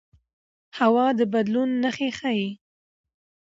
هوا د بدلون نښې ښيي